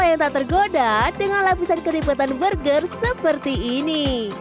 yang tak tergoda dengan lapisan keripatan burger seperti ini